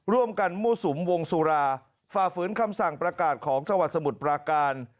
ร่วมกันมั่วสุมวงสุราฝ่าฝืนคำสั่งประกาศของจังหวัดสมุทรปราการ